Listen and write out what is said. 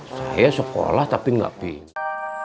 saya sekolah tapi gak pintar